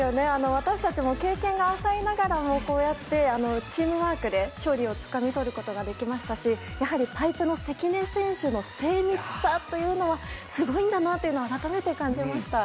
私たちも経験が浅いながらもこうやってチームワークで勝利をつかみ取ることができましたしやはり、パイプの関根選手の精密さというのはすごいんだなというのを改めて感じました。